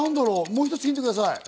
もう一つヒントください。